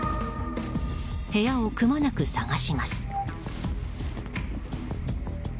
部屋をくまなく探します。